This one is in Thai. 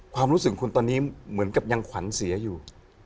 ความรู้สึกคุณตอนนี้เหมือนกับยังขวัญเสียอยู่